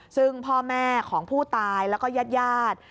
ซึ่งพ่อแม่ของผู้ตายแล้วก็ญาติญาติ